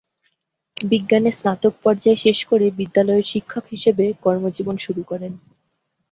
বিজ্ঞানে স্নাতক পর্যায় শেষ করে বিদ্যালয়ের শিক্ষক হিসেবে কর্মজীবন শুরু করেন।